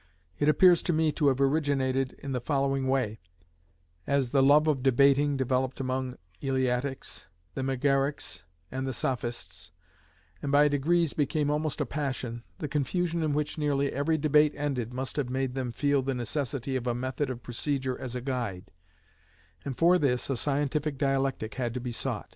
It appears to me to have originated in the following way:—As the love of debating developed among the Eleatics, the Megarics, and the Sophists, and by degrees became almost a passion, the confusion in which nearly every debate ended must have made them feel the necessity of a method of procedure as a guide; and for this a scientific dialectic had to be sought.